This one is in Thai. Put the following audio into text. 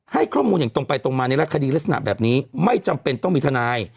ให้ข้อมูลอย่างตรงไปตรงมาในรักคดีลักษณะแบบนี้ไม่จำเป็นต้องมีทนาย